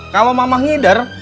kalau mama ngider